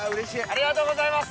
ありがとうございます。